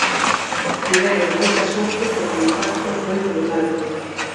Tiveron moita sorte porque o impacto foi brutal.